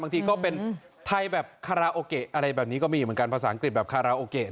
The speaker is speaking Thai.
บางทีก็เป็นไทยแบบอะไรแบบนี้ก็มีเหมือนกันภาษาอังกฤษแบบนะฮะค่ะ